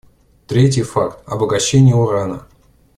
Третий факт — обогащение урана.